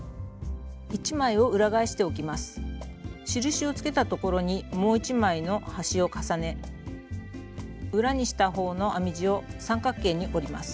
印をつけたところにもう一枚の端を重ね裏にしたほうの編み地を三角形に折ります。